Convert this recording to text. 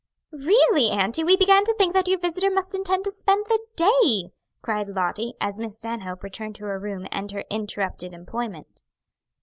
"Really, auntie, we began to think that your visitor must intend to spend the day," cried Lottie, as Miss Stanhope returned to her room and her interrupted employment.